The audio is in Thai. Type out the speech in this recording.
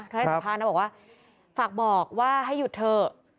ให้สัมภาษณ์นะบอกว่าฝากบอกว่าให้หยุดเถอะ